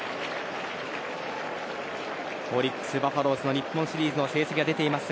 オリックス・バファローズの日本シリーズの成績が出ています。